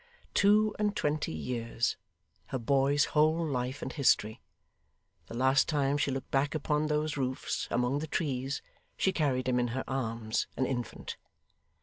Two and twenty years. Her boy's whole life and history. The last time she looked back upon those roofs among the trees, she carried him in her arms, an infant.